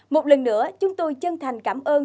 một lần nữa chúng tôi chân thành cảm ơn